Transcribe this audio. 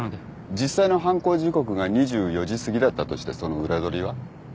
実際の犯行時刻が２４時すぎだったとしてその裏取りは？